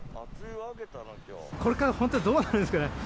これから本当にどうなるんですかね。